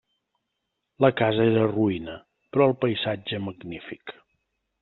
La casa era roïna, però el paisatge magnífic.